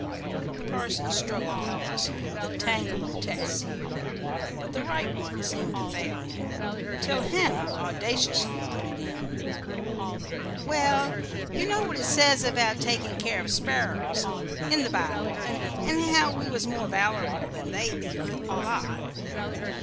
The parson struggled helplessly with a tangle of texts here; but the right one seemed to fail him, till Hannah audaciously put it in: "Well, you know what it says about takin' care of sparrers, in the Bible, and how we was more valerable than they be, a lot.